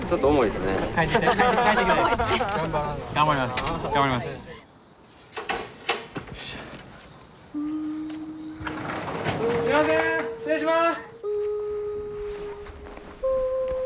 すいません失礼します。